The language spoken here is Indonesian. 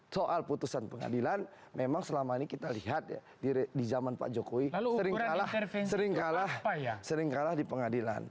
soal putusan pengadilan memang selama ini kita lihat ya di zaman pak jokowi sering kalah di pengadilan